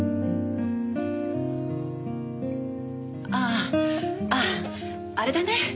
あああれだね。